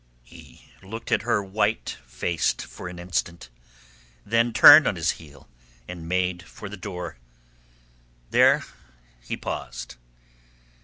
He looked at her, white faced an instant, then turned on his heel and made for the door. There he paused.